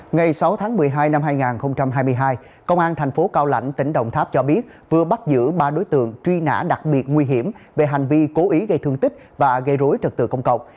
ngày sáu tháng một mươi hai năm hai nghìn hai mươi hai công an thành phố cao lãnh tỉnh đồng tháp cho biết vừa bắt giữ ba đối tượng truy nã đặc biệt nguy hiểm về hành vi cố ý gây thương tích và gây rối trật tự công cộng